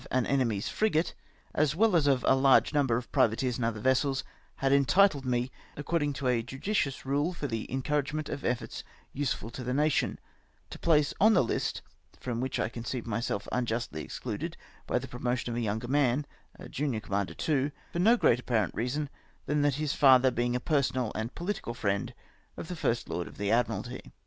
15:5 an enemy's frigate, as well as of a large number of privateers and other vessels, had entitled me, according to a judicious rule for the encouragement of efforts use fid to the nation — to a place on the hst, from which I conceived myself unjustly excluded by the promotion of a younger man, a junior commander too, for no great apparent reason than that of Ms father being a personal and pohtical friend of the First Lord of the Admiralty.